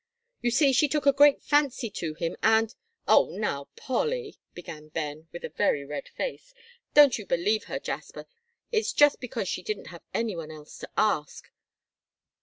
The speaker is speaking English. "You see she took a great fancy to him, and " "Oh, now, Polly," began Ben, with a very red face. "Don't you believe her, Jasper; it's just because she didn't have any one else to ask."